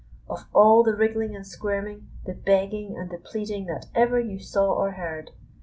Of all the wriggling and squirming, the begging and the pleading that ever you saw or heard!